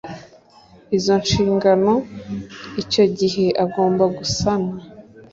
izo nshingano icyo gihe agomba gusana